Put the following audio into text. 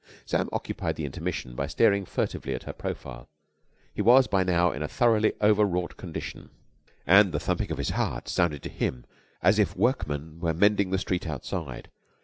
Sam occupied the intermission by staring furtively at her profile. He was by now in a thoroughly overwrought condition, and the thumping of his heart sounded to him as if workmen were mending the street outside.